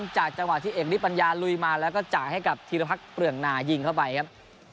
จังหวะที่เอกฤทปัญญาลุยมาแล้วก็จ่ายให้กับธีรพักษ์เปลืองนายิงเข้าไปครับ